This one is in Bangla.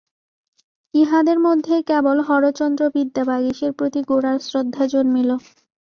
ইঁহাদের মধ্যে কেবল হরচন্দ্র বিদ্যাবাগীশের প্রতি গোরার শ্রদ্ধা জন্মিল।